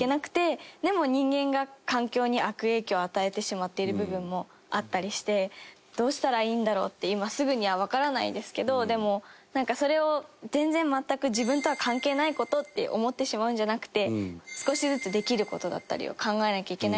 でも人間が環境に悪影響を与えてしまっている部分もあったりしてどうしたらいいんだろうって今すぐにはわからないですけどでもそれを全然全く自分とは関係ない事って思ってしまうんじゃなくて少しずつできる事だったりを考えなきゃいけないなと思いましたね。